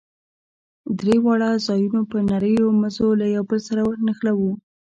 درې واړه ځايونه په نريو مزو له يو بل سره نښلوو.